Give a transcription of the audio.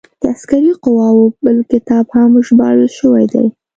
د عسکري قواعدو بل کتاب هم ژباړل شوی دی.